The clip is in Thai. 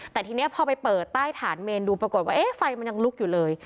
แต่ทีนี้พอไปเปิดใต้ฐานเมนดูปรากฏว่าเอ๊ะไฟมันยังลุกอยู่เลย